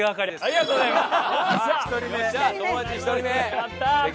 ありがとうございます！